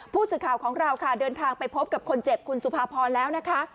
ผู้สื่อข่าวของเราค่ะเดินทางไปพบกับคนเจ็บคุณสุภาพรแล้วนะคะ